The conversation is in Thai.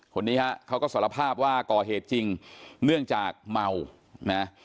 คนนี้ฮะเขาก็สารภาพว่าก่อเหตุจริงเนื่องจากเมานะ